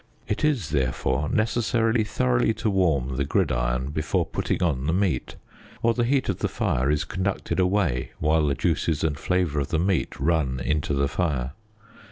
It is, therefore, necessary thoroughly to warm the gridiron before putting on the meat, or the heat of the fire is conducted away while the juices and flavour of the meat run into the fire.